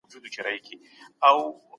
نړیوال قوانین اصول وړاندې کوي.